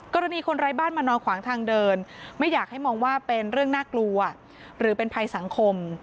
กรณีคนไร้บ้านมานอนขวางทางเดินไม่อยากให้มองว่าเป็นเรื่องน่ากลัวหรือเป็นภัยสังคม